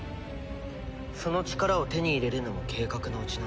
その力を手に入れるのも計画のうちなんだろ。